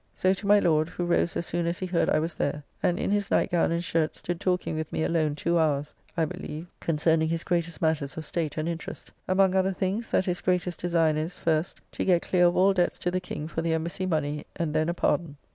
So to my Lord, who rose as soon as he heard I was there; and in his nightgown and shirt stood talking with me alone two hours,. I believe, concerning his greatest matters of state and interest. Among other things, that his greatest design is, first, to get clear of all debts to the King for the Embassy money, and then a pardon.